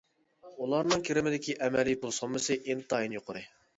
ئۇلارنىڭ كىرىمىدىكى ئەمەلىي پۇل سوممىسى ئىنتايىن يۇقىرى.